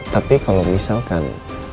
tapi kalau misalkan